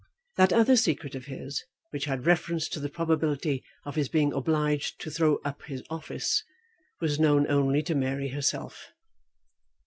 That other secret of his, which had reference to the probability of his being obliged to throw up his office, was known only to Mary herself.